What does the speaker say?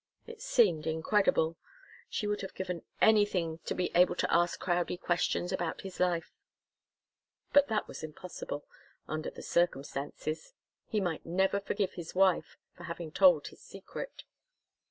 It seemed incredible. She would have given anything to be able to ask Crowdie questions about his life, but that was impossible, under the circumstances. He might never forgive his wife for having told his secret.